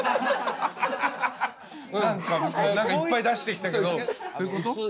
何かいっぱい出してきたけどそういうこと？